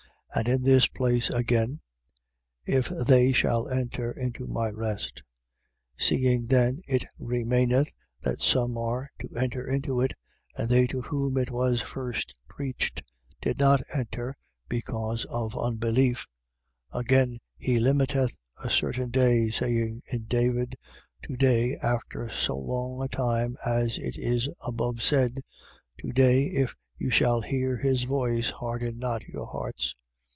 4:5. And in this place again: If they shall enter into my rest. 4:6. Seeing then it remaineth that some are to enter into it, and they to whom it was first preached did not enter because of unbelief: 4:7. Again he limiteth a certain day, saying in David; To day, after so long a time as it is above said: To day if you shall hear his voice, harden not your hearts.